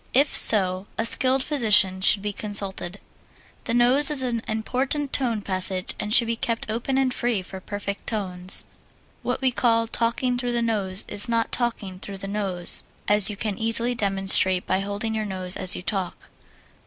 If so, a skilled physician should be consulted. The nose is an important tone passage and should be kept open and free for perfect tones. What we call "talking through the nose" is not talking through the nose, as you can easily demonstrate by holding your nose as you talk.